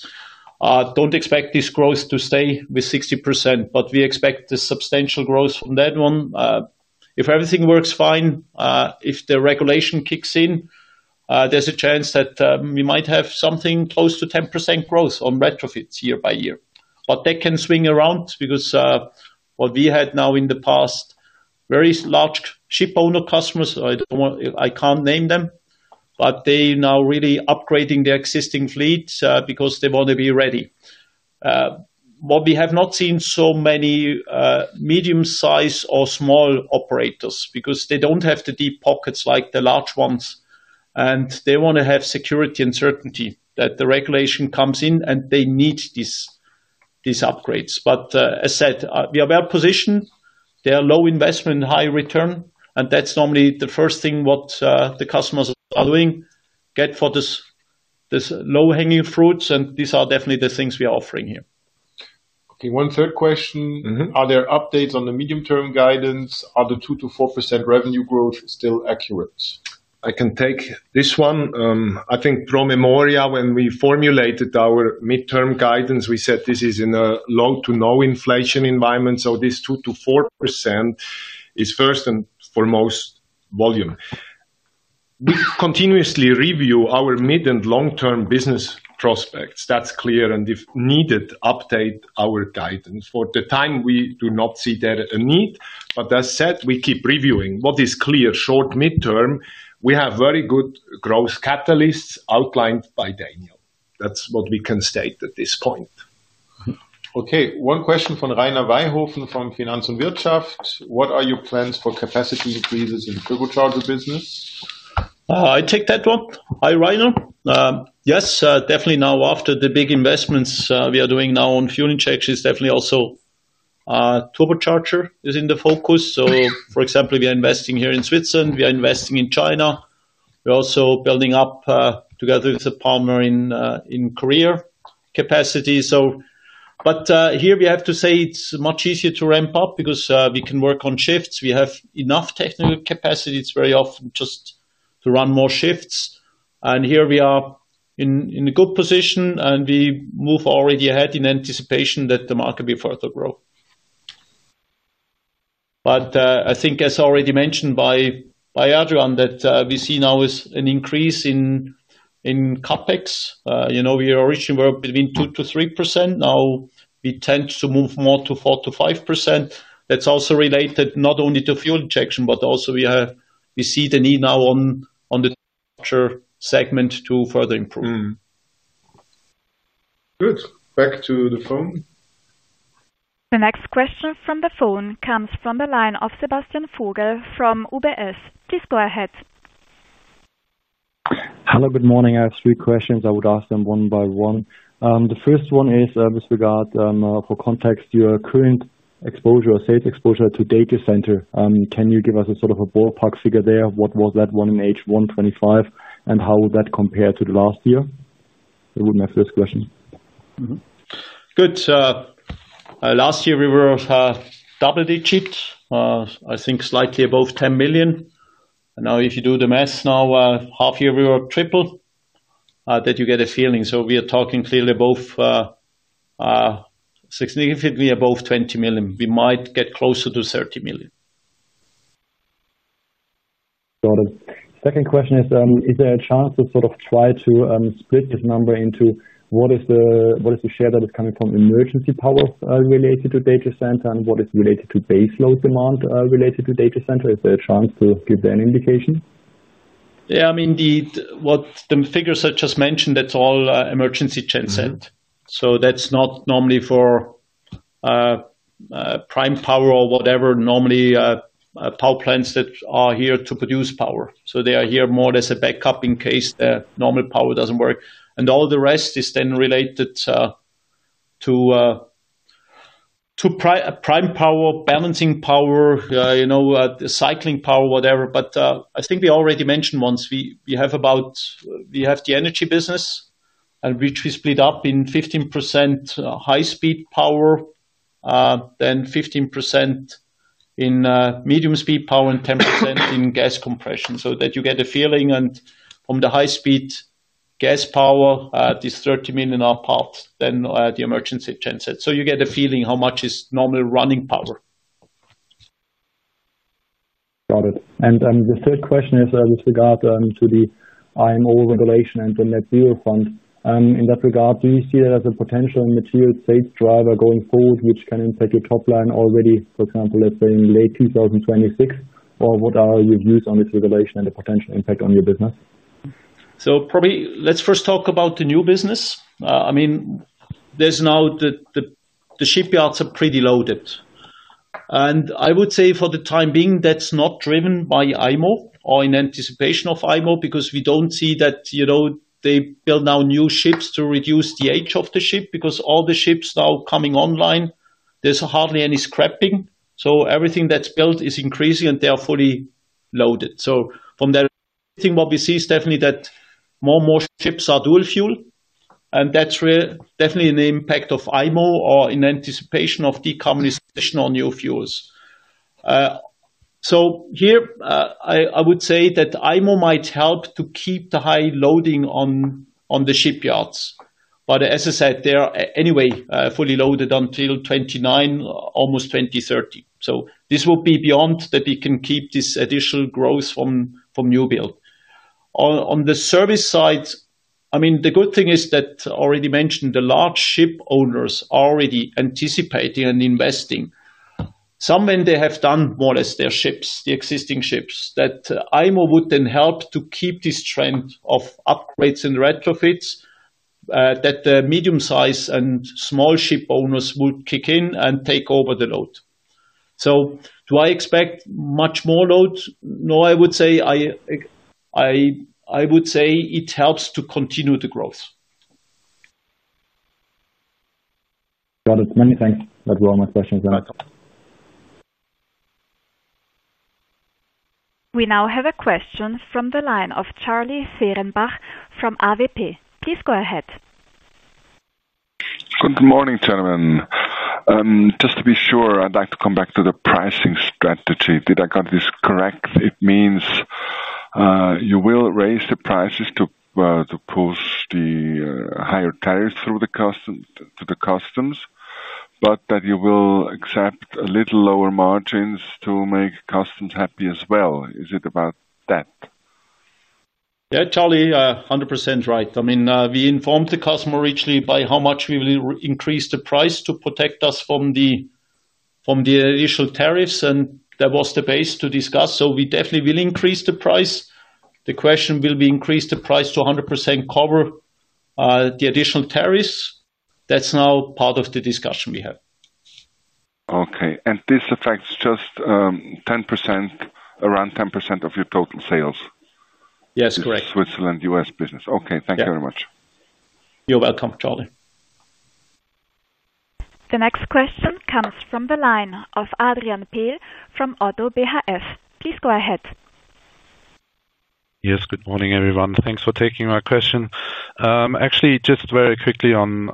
Don't expect this growth to stay with 60%, but we expect a substantial growth from that one if everything works fine. If the regulation kicks in, there's a chance that we might have something close to 10% growth on retrofits year by year. They can swing around because what we had now in the past, very large ship owner customers, I can't name them, but they now really upgrading their existing fleet because they want to be ready. What we have not seen is so many medium-sized or small operators because they don't have the deep pockets like the large ones and they want to have security and certainty that the regulation comes in and they need these upgrades. As said, we are well positioned. They are low investment, high return, and that's normally the first thing what the customers are doing, get for this low hanging fruits. These are definitely the things we are offering here. Okay, one third question. Are there updates on the medium term guidance? Are the 2%-4% revenue growth still accurate? I can take this one. I think pro memoria. When we formulated our midterm guidance, we said this is in a low to no inflation environment. This 2%-4% is first and foremost volume. We continuously review our mid and long term business prospects. That's clear, and if needed, update our guidance. For the time, we do not see that a needle. As said, we keep reviewing what is clear. Short, mid term, we have very good growth catalysts outlined by Daniel. That's what we can state at this point. Okay, one question from Rainer Weihofen from Finanz und Wirtschaft. What are your plans for capacity increases in fuel injection systems business? I take that one. Yes, definitely now after the big investments we are doing now on fuel injection systems, definitely also turbochargers are in the focus. For example, we are investing here in Switzerland, we are investing in China. We're also building up together with the partner in Korea capacity. Here we have to say it's much easier to ramp up because we can work on shifts, we have enough technical capacity. It's very often just to run more shifts. We are in a good position and we move already ahead in anticipation that the market will further grow. As already mentioned by Adrian, what we see now is an increase in CapEx. We originally were between 2%-3%. Now we tend to move more to 4%-5%. That's also related not only to fuel injection systems, but also we see the need now on the segment to further improve. Good. Back to the phone. The next question from the phone comes from the line of Sebastian Vogel from UBS. Please go ahead. Hello, good morning. I have three questions. I would ask them one by one. The first one is with regard to context, your current exposure or sales exposure to data center. Can you give us a sort of a ballpark figure there? What was that one in H1 2025 and how would that compare to the last year? That would be my first question. Good. Last year we were double digit, I think slightly above $10 million. Now if you do the math now, half year we were triple that. You get a feeling. We are talking clearly both significantly above $20 million. We might get closer to $30 million. Got it. Second question is, is there a chance to sort of try to split this number into what is the share that is coming from emergency power related to data center and what is related to baseload demand related to data center? Is there a chance to give that indication? Yeah, I mean what the figures I just mentioned, that's all emergency transit. That's not normally for prime power or whatever. Normally, power plants that are here to produce power, so they are here more or less as backup in case the normal power doesn't work. All the rest is then related to prime power, balancing power, cycling power, whatever. I think we already mentioned once we have the energy business, which we split up in 15% high speed power, then 15% in medium speed power, and 10% in gas compression, so that you get a feeling. From the high speed gas power, this $30 million part, then the emergency tenet, so you get a feeling how much is normal running power? Got it. The third question is with regard to the IMO regulation and the net zero fund in that regard, do you see that as a potential material state driver going forward which can impact your top line already, for example, let's say in late 2026 or what are your views on this regulation and the potential impact on your business? Let's first talk about the new business. I mean there's now the shipyards are pretty loaded and I would say for the time being that's not driven by IMO or in anticipation of IMO because we don't see that, you know, they build now new ships to reduce the age of the ship because all the ships now coming online, there's hardly any scrapping. Everything that's built is increasing and they are fully loaded. From that, what we see is definitely that more and more ships are dual fuel and that's definitely an impact of IMO or in anticipation of decarbonization on new fuels. Here I would say that IMO might help to keep the high loading on the shipyards. As I said, they are anyway fully loaded until 2029, almost 2030. This will be beyond that. We can keep this additional growth from new build on the service side. The good thing is that already mentioned, the large ship owners already anticipating and investing some when they have done more or less their ships, the existing ships that IMO would then help to keep this trend of upgrades in retrofits that the medium size and small ship owners would kick in and take over the load. Do I expect much more load? No, I would say it helps to continue the growth. Got it. Many thanks. That were all my questions. We now have a question from the line of Charlie Fehrenbach from AWP. Please go ahead. Good morning gentlemen. Just to be sure, I'd like to come back to the pricing strategy. Did I get this correct? It means you will raise the prices to push the higher tariffs through the customs, but that you will accept a little lower margins to make customers happy as well. Is it about that? Yeah, Charlie, 100% right. I mean, we informed the customer exactly by how much we will increase the price to protect us from the initial tariffs. That was the base to discuss. We definitely will increase the price. The question will be, increase the price to 100% cover the additional tariffs. That's now part of the discussion we have. Okay. This affects just 10%, around 10% of your total sales? Yes, correct. Switzerland, U.S. business. Okay, thank you very much. You're welcome, Charlie. The next question comes from the line of Adrian Pehl from ODDO BHF. Please go ahead. Yes, good morning everyone. Thanks for taking my question. Actually, just very quickly on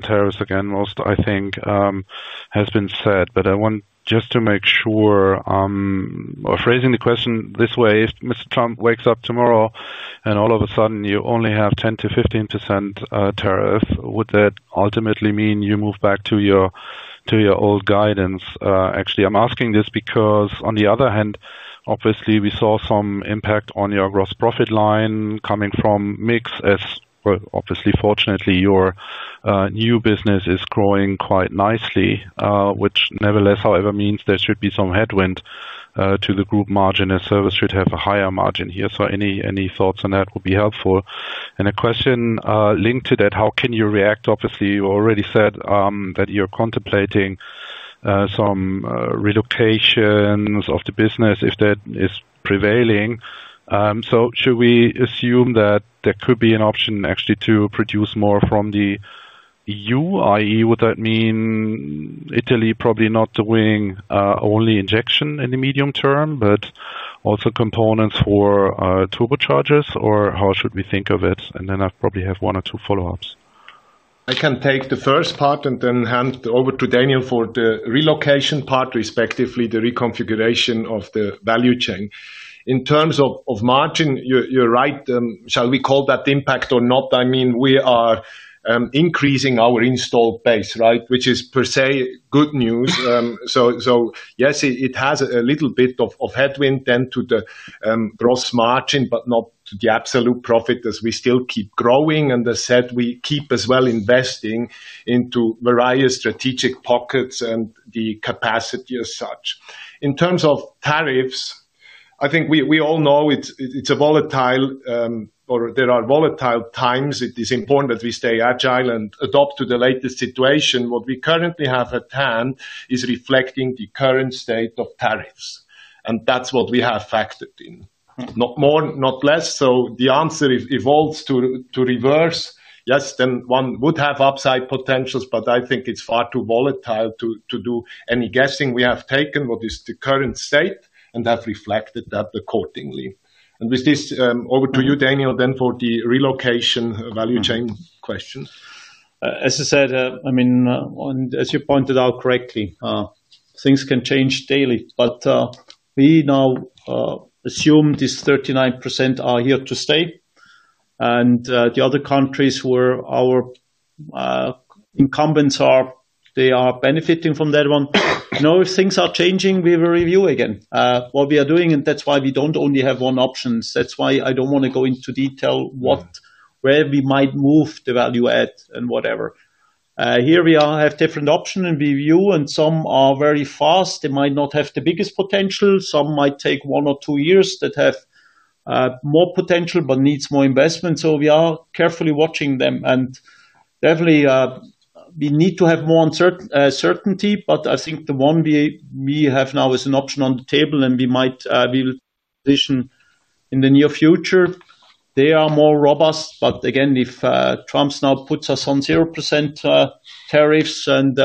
tariffs. Most I think has been said, but I want just to make sure or phrasing the question this way, if Mr. Trump wakes up tomorrow and all of a sudden you only have 10%-15% tariff, would that ultimately mean you move back to your old guidance? Actually, I'm asking this because on the other hand, obviously we saw some impact on your gross profit line coming from mix as obviously fortunately your new business is growing quite nicely, which nevertheless, however, means there should be some headwind to the group margin as service should have a higher margin here. Any thoughts on that would be helpful. A question linked to that, how can you react? Obviously, you already said that you're contemplating some relocations of the business if that is prevailing. Should we assume that there could be an option actually to produce more from the E.U., that is, would that mean Italy probably not doing only injection in the medium term, but also components for turbochargers, or how should we think of it? I probably have one or two follow ups. I can take the first part and then hand over to Daniel for the relocation part, respectively the reconfiguration of the value chain in terms of margin. You're right. Shall we call that impact or not? I mean, we are increasing our install base, right? Which is per se good news. Yes, it has a little bit of headwind then to the gross margin, but not the absolute profit as we still keep growing, and as said, we keep as well investing into various strategic pockets and the capacity as such. In terms of tariffs, I think we all know it's a volatile, or there are volatile times. It is important that we stay agile and adapt to the latest situation. What we currently have at hand is reflecting the current state of tariffs, and that's what we have factored in, not more, not less. The answer evolves to reverse. Yes, then one would have upside potentials. I think it's far too volatile to do any guessing. We have taken what is the current state and have reflected that accordingly. With this, over to you, Daniel, for the relocation value chain question. As I said, I mean as you pointed out correctly, things can change daily. We now assume this 39% are here to stay and the other countries where our incumbents are, they are benefiting from that one. If things are changing, we will review again what we are doing. That's why we don't only have one option. I don't want to go into detail where we might move the value add and whatever. Here we have different options in review and some are very fast. They might not have the biggest potential, some might take one or two years that have more potential but need more investment. We are carefully watching them and definitely we need to have more certainty. I think the one we have now is an option on the table and we might position in the near future they are more robust. If Trump now puts us on 0% tariffs and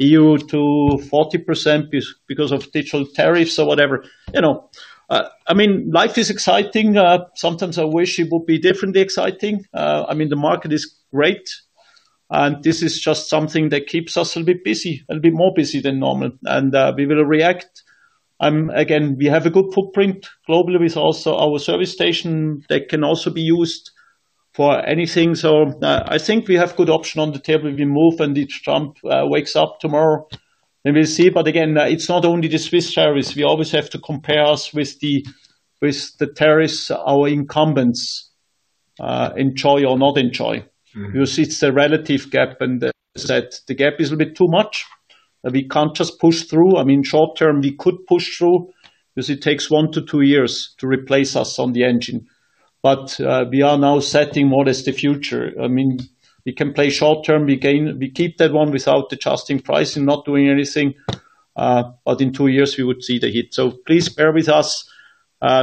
E.U. to 40% because of digital tariffs or whatever, life is exciting. Sometimes I wish it would be differently exciting. The market is great and this is just something that keeps us a bit busy, a bit more busy than normal and we will react again. We have a good footprint globally with also our service station that can also be used for anything. I think we have good option on the table if we move and each jump wakes up tomorrow and we'll see. It's not only the Swiss service. We always have to compare us with the, with the tariffs our incumbents enjoy or not enjoy. You see, it's a relative gap and that the gap is a bit too much. We can't just push through. I mean short term we could push through because it takes one to two years to replace us on the engine. We are now setting what is the future. I mean we can play short term, we keep that one without adjusting price and not doing anything. In two years we would see the hit. Please bear with us,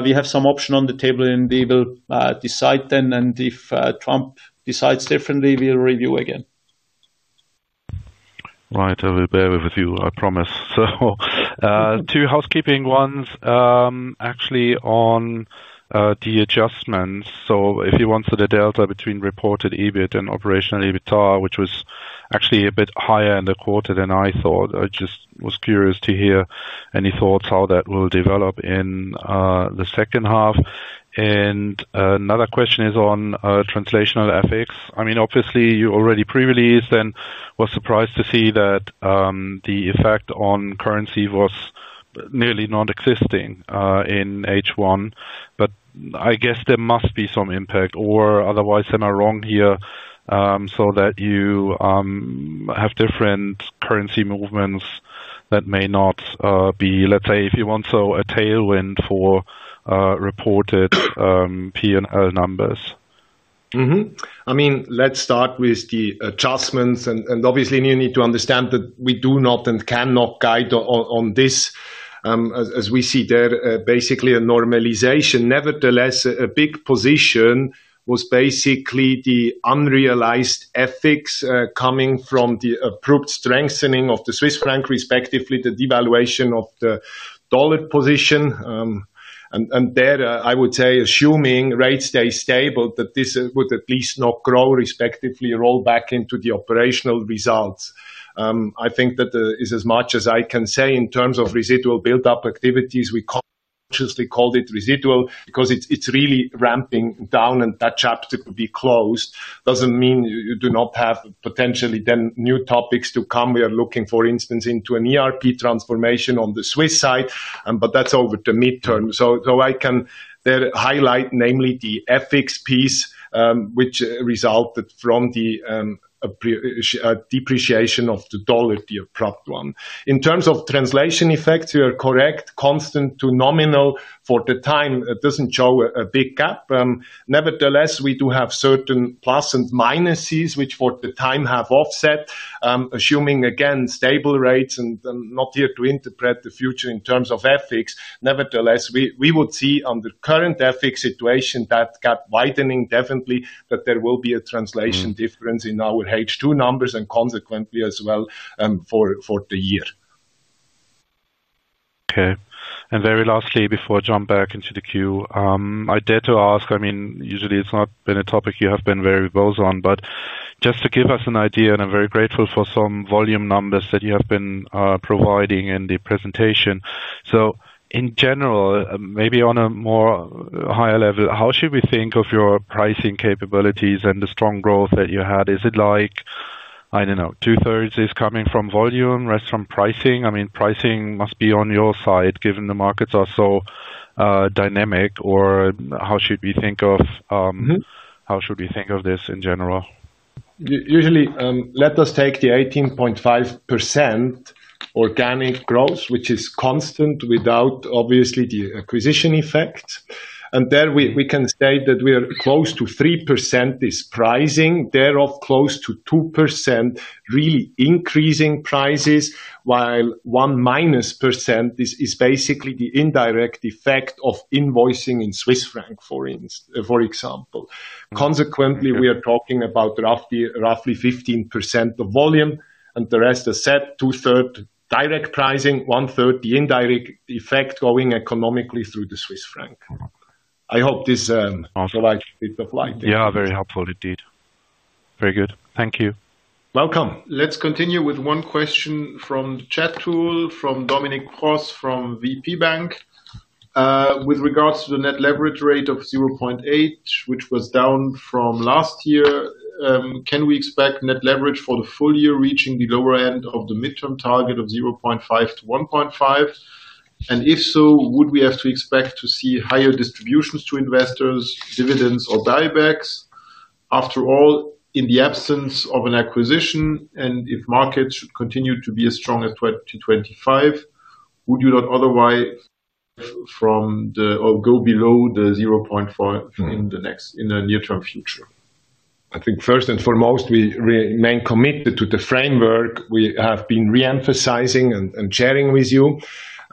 we have some option on the table and we will decide then. If Trump decides differently, we'll review again. I will bear with you, I promise. Two housekeeping ones actually on the adjustments. If you wanted a delta between reported EBIT and operational EBITDA, which was actually a bit higher in the quarter than I thought, I just was curious to hear any thoughts how that will develop in the second half. Another question is on translational effects. Obviously you already pre-released and was surprised to see that the effect on currency was nearly non-existing in H1. I guess there must be some impact or otherwise. Am I wrong here? You have different currency movements that may not be, let's say, if you want a tailwind for reported P&L numbers. I mean, let's start with the adjustments. Obviously, you need to understand that we do not and cannot guide on this as we see there basically a normalization. Nevertheless, a big position was basically the unrealized FX coming from the approved strengthening of the Swiss franc, respectively the devaluation of the dollar position. There I would say, assuming rates stay stable, that this would at least not grow, respectively roll back into the operational results. I think that is as much as I can say in terms of residual buildup activities. We consciously called it residual because it's really ramping down and that chapter to be closed doesn't mean you do not have potentially then new topics to come. We are looking, for instance, into an ERP transformation on the Swiss side, but that's over the so I can highlight namely the FX piece which resulted from the depreciation of the dollar, the approved one. In terms of translation effects, you are correct, constant to nominal for the time it doesn't show a big gap. Nevertheless, we do have certain plus and minuses which for the time have offset. Assuming again stable rates and not here to interpret the future in terms of FX. Nevertheless, we would see on the current FX situation that gap widening definitely that there will be a translation difference in our H2 numbers and consequently as well for the year. Okay, and very lastly before I jump back into the queue, I dare to ask. I mean usually it's not been a topic you have been very bold on. Just to give us an idea, and I'm very grateful for some volume numbers that you have been providing in the presentation. In general, maybe on a more higher level, how should we think of your pricing capabilities and the strong growth that you had? Is it like, I don't know, two thirds is coming from volume, rest from pricing? I mean pricing must be on your side, given the markets are so dynamic. Or how should we think of this in general? Usually let us take the 18.5% organic growth which is constant without obviously the acquisition effect. There we can say that we are close to 3% is pricing thereof, close to 2% really increasing prices, while 1%- is basically the indirect effect of invoicing in Swiss franc, for example. Consequently, we are talking about roughly 15% of volume and the rest are set, 2/3 direct pricing, 1/3 the indirect effect going economically through the Swiss franc. I hope this helpful. Yeah, very helpful indeed. Very good. Thank you. Welcome. Let's continue with one question from the chat tool from Dominik Pross from VP Bank. With regards to the net leverage rate of 0.8, which was down from last year, can we expect net leverage for the full year reaching the lower end of the midterm target of 0.5-1.5? If so, would we have to expect to see higher distributions to investors, dividends, or buybacks? After all, in the absence of an acquisition and if markets continue to be as strong as 2025, would you not otherwise go below the 0.5 in the near term future? I think first and foremost we remain committed to the framework we have been reemphasizing and sharing with you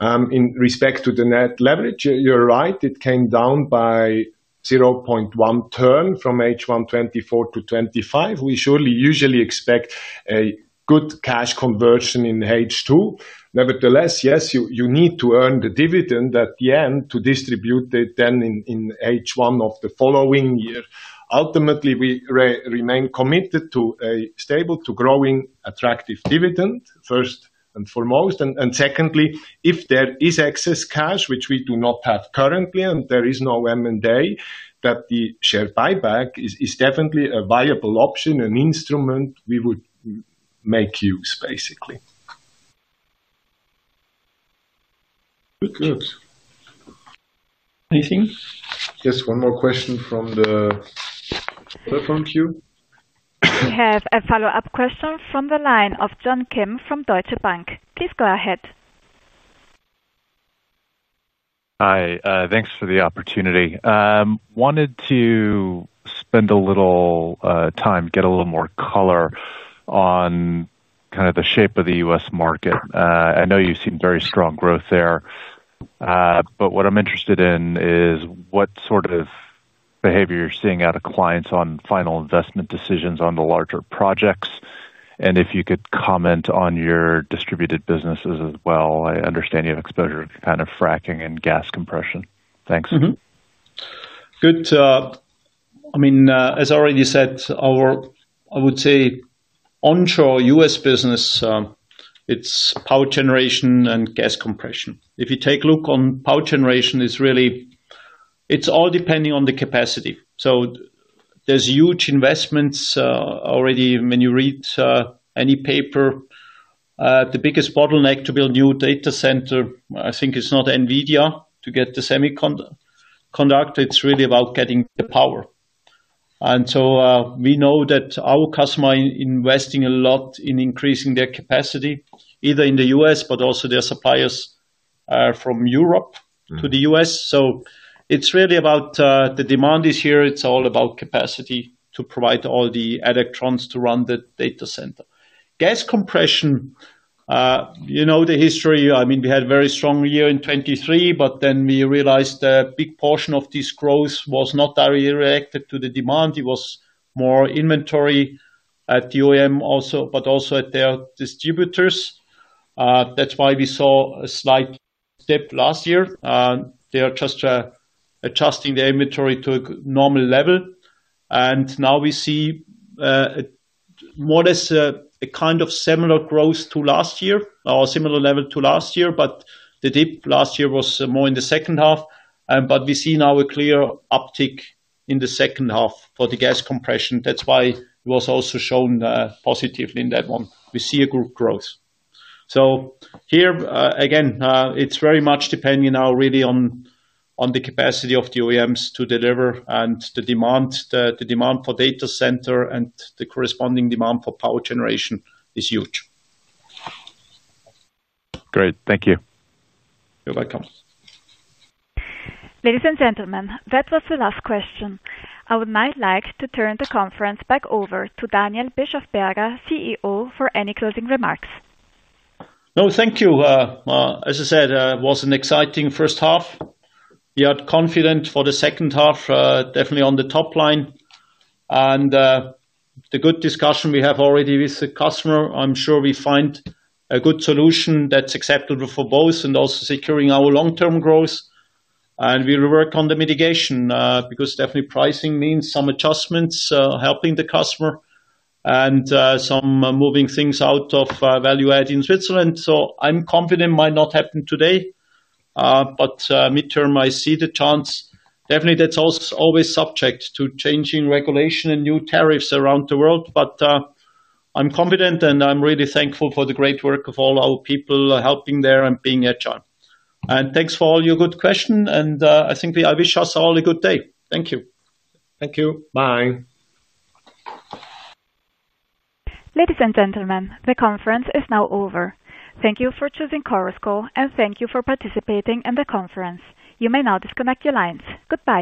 in respect to the net leverage. You're right, it came down by 0.1 turn from H1 2024 to 2025. We surely usually expect a good cash conversion in H2. Nevertheless, yes, you need to earn the dividend at the end to distribute it then in H1 of the following year. Ultimately, we remain committed to a stable to growing attractive dividend first and foremost. Secondly, if there is excess cash, which we do not have currently, and there is no M&A, the share buyback is definitely a viable option, an instrument we would make use of basically. Anything. Just one more question from the cell phone queue. We have a follow-up question from the line of John Kim from Deutsche Bank. Please go ahead. Hi, thanks for the opportunity. Wanted to spend a little time, get a little more color on kind of the shape of the U.S. market. I know you've seen very strong growth there. What I'm interested in is what sort of behavior you're seeing out of clients on final investment decisions on the larger projects. If you could comment on your distributed businesses as well. I understand you have exposure to kind of fracking and gas compression. Thanks. Good. I mean as I already said, our, I would say, onshore U.S. business, it's power generation and gas compression. If you take a look on power generation, it's really, it's all depending on the capacity. There's huge investments already. When you read any paper, the biggest bottleneck to build new data center, I think it's not NVIDIA to get the semiconductor, it's really about getting the power. We know that our customer investing a lot in increasing their capacity either in the U.S., but also their suppliers from Europe to the U.S. It's really about the demand is here. It's all about capacity to provide all the electrons to run the data center. Gas compression, you know the history. We had a very strong year in 2023, but then we realized a big portion of this growth was not directed to the demand. It was more inventory at the OEM also, but also at their distributors. That's why we saw a slight dip last year. They are just adjusting the inventory to a normal level. Now we see more or less a kind of similar growth to last year or similar level to last year. The dip last year was more in the second half. We see now a clear uptick in the second half for the gas compression. That's why it was also shown positively in that one, we see a group growth. Here again, it's very much depending now really on the capacity of the OEMs to deliver. The demand for data center and the corresponding demand for power generation is huge. Great. Thank you. You're welcome. Ladies and gentlemen, that was the last question. I would now like to turn the conference back over to Daniel Bischofberger, CEO, for any closing remarks. No, thank you. As I said, it was an exciting first half. We are confident for the second half definitely on the top line, and the good discussion we have already with the customer, I'm sure we find a good solution that's acceptable for both and also securing our long-term growth. We will work on the mitigation because definitely pricing means some adjustments helping the customer and some moving things out of value add in Switzerland. I'm confident it might not happen today, but midterm I see the chance definitely. That's also always subject to changing regulation and new tariffs around the world. I'm confident and I'm really thankful for the great work of all our people helping there and being agile. Thanks for all your good questions and I think I wish us all a good day. Thank you. Thank you. Bye. Ladies and gentlemen, the conference is now over. Thank you for choosing Chorus Call and thank you for participating in the conference. You may now disconnect your lines. Goodbye.